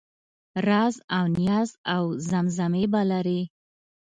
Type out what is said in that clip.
رازاونیازاوزمزمې به لرې